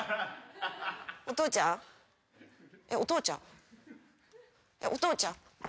お父ちゃん？お父ちゃん